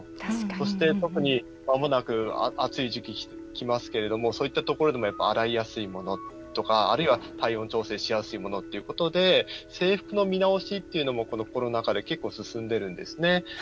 そして特に、まもなく暑い時期きますけれどもそういったところでも洗いやすいものとかあるいは、体温調整をしやすいものってことで制服の見直しっていうのもこのコロナ禍で結構、進んでるんですね。